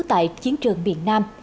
tại chiến trường miền nam